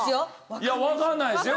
いやわからないですよ。